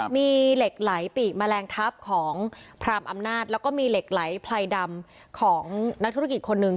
มีเหล็กไหลปีกแมลงทัพของพรามอำนาจแล้วก็มีเหล็กไหลไพรดำของนักธุรกิจคนหนึ่ง